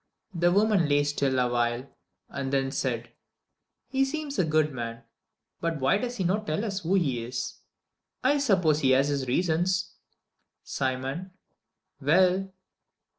The woman lay still awhile, and then said, "He seems a good man, but why does he not tell us who he is?" "I suppose he has his reasons." "Simon!" "Well?"